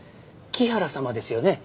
木原様ですよね。